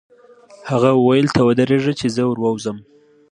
هغه وویل: ته ودرېږه چې زه ور ووځم.